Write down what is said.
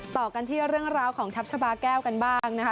ต่อกันที่เรื่องราวของทัพชาบาแก้วกันบ้างนะคะ